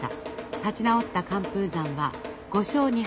立ち直った寒風山は５勝２敗の好成績。